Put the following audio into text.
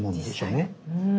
うん。